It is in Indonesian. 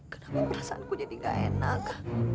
kenapa perasaanku jadi gak enak